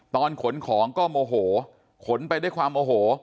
ขนของก็โมโหขนไปด้วยความโอโห